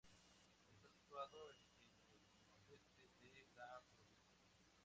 Está situado en el nordeste de la provincia.